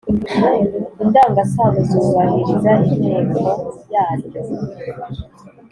indangasano zubahiriza inteko yaryo,